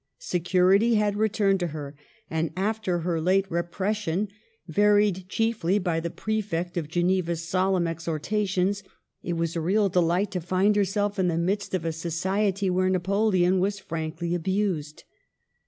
Security had returned to her ; and, after her late repres sion, varied chiefly by the Prefect of Geneva's solemn exhortations, it was a real delight to find herself in the midst of a society where Napoleon was frankly abused.